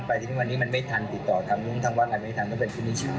ไปที่นี่วันนี้มันไม่ทันติดต่อทั้งวันไม่ทันต้องเป็นพรุ่งนี้เช้า